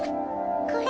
これ。